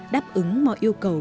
đáp ứng mọi yêu cầu